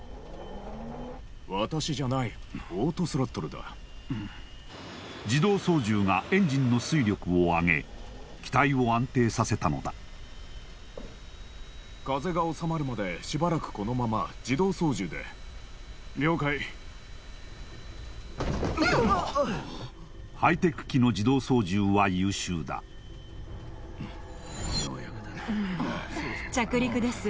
私じゃないオートスロットルだ自動操縦がエンジンの推力を上げ機体を安定させたのだ風が収まるまでしばらくこのまま自動操縦で了解ハイテク機の自動操縦は優秀だ着陸です